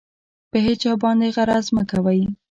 په هېچا باندې غرض مه کوئ.